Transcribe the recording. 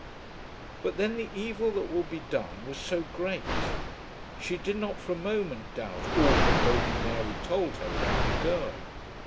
But then the evil that would be done was so great! She did not for a moment doubt all that Lady Mary told her about the girl.